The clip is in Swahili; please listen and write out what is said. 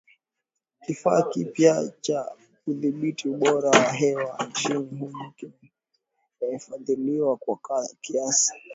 Kifaa kipya cha kudhibiti ubora wa hewa nchini humo kimefadhiliwa kwa kiasi.